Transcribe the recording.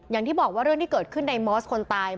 อย่างที่บอกว่าเรื่องที่เกิดขึ้นในมอสคนตาย